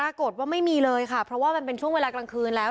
ประโกรธว่าไม่มีเลยค่ะเพราะว่ามันเวลากลางคืนแล้ว